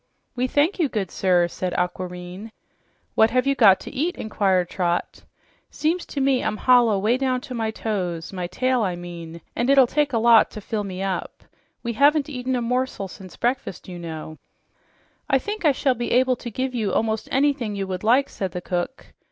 "We thank you, good sir," said Aquareine. "What have you got to eat?" inquired Trot. "Seems to me I'm hollow way down to my toes my tail, I mean and it'll take a lot to fill me up. We haven't eaten a morsel since breakfast, you know." "I think I shall be able to give you almost anything you would like," said the cook.